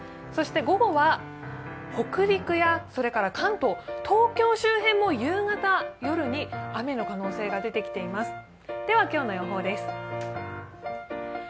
そして午後は、北陸や関東、東京周辺も夕方、夜に雨の可能性が出てきています。